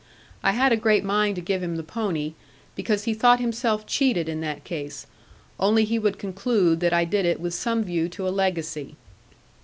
I had a great mind to give him the pony, because he thought himself cheated in that case; only he would conclude that I did it with some view to a legacy.